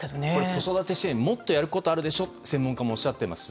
子育て支援もっとやることあるでしょうと専門家もおっしゃっています。